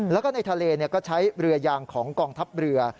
แล้วก็ในทะเลก็ใช้เรือยางของกองทัพเรือ